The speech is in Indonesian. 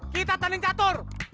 kita tanding catur